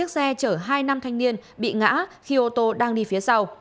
xe chở hai nam thanh niên bị ngã khi ô tô đang đi phía sau